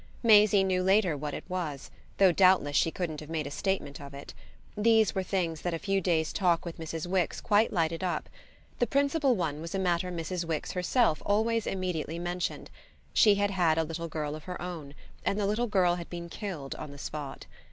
Maisie knew later what it was, though doubtless she couldn't have made a statement of it: these were things that a few days' talk with Mrs. Wix quite lighted up. The principal one was a matter Mrs. Wix herself always immediately mentioned: she had had a little girl quite of her own, and the little girl had been killed on the spot.